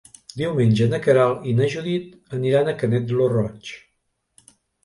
Diumenge na Queralt i na Judit aniran a Canet lo Roig.